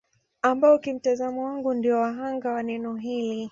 Ambao kimtazamo wangu ndio wa hanga wa neno hili